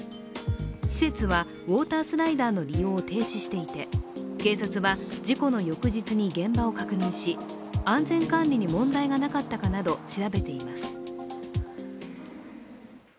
施設はウォータースライダーの利用を停止していて警察は事故の翌日に現場を確認し安全管理に問題がなかったかなど、調べています。